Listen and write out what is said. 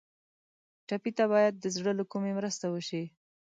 ټپي ته باید د زړه له کومي مرسته وشي.